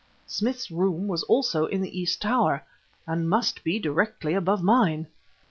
Smith's room was also in the east tower, and must be directly above mine!